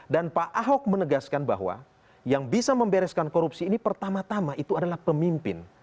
dan pak ahok menegaskan bahwa yang bisa membereskan korupsi ini pertama tama itu adalah pemimpin